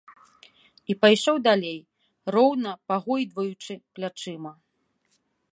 І пайшоў далей, роўна пагойдваючы плячыма.